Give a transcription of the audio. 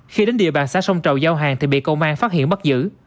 khi đến địa bàn xã sông tru giao hàng thì bị công an phát hiện bắt giữ